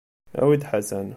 Awi-d Ḥasan.